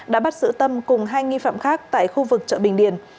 đã bắt giữ tâm cùng hai nghi phạm khác tại khu vực chợ bình điền